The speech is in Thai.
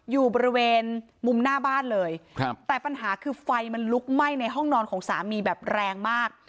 อยู่บริเวณมุมหน้าบ้านเลยครับแต่ปัญหาคือไฟมันลุกไหม้ในห้องนอนของสามีแบบแรงมาก